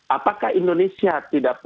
apakah indonesia tidak percaya